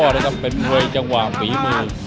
ในการเป็นหมวยจังหวามบี่บู